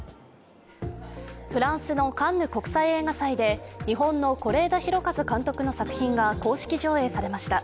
フランスのカンヌ国際映画祭で日本の是枝裕和監督の作品が公式上映されました。